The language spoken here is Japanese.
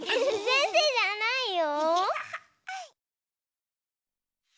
せんせいじゃないよ。